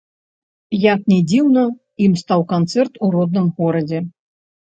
Як ні дзіўна, ім стаў канцэрт у родным горадзе.